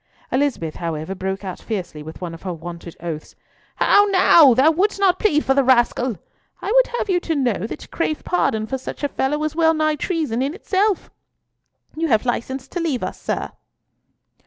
Elizabeth, however, broke out fiercely with one of her wonted oaths. "How now? Thou wouldst not plead for the rascal! I would have you to know that to crave pardon for such a fellow is well nigh treason in itself. You have license to leave us, sir."